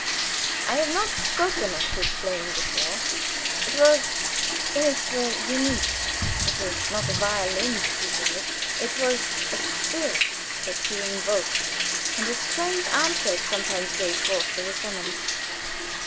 I have not spoken of his playing before it was, in its way, unique. It was not a violin that he played it was a spirit that he invoked and a strange answer it sometimes gave forth to his summons.